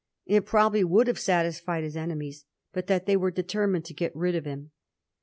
It probably would have satisfied his enemies but that they were determined to get rid of him.